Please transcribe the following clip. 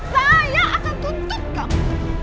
saya akan tuntut kamu